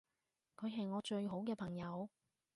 佢係我最好嘅朋友